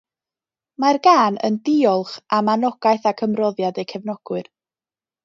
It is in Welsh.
Mae'r gân yn "diolch" am anogaeth ac ymroddiad eu cefnogwyr.